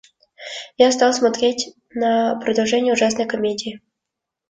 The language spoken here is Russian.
Я стал смотреть на продолжение ужасной комедии.